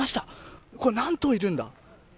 これは何頭いるんだ。